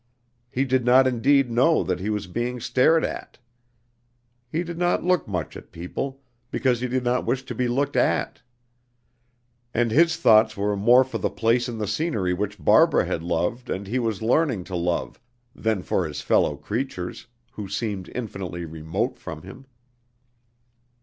He did not indeed know that he was being stared at. He did not look much at people, because he did not wish to be looked at. And his thoughts were more for the place and the scenery which Barbara had loved and he was learning to love than for his fellow creatures, who seemed infinitely remote from him.